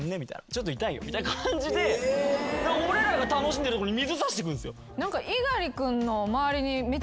「ちょっと痛いよ」みたいな感じで俺らが楽しんでるとこに水差してくるんすよ。